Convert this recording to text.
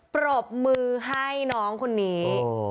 ปรบมือให้น้องคนนี้